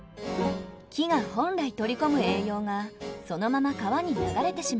木が本来取り込む栄養がそのまま川に流れてしまいます。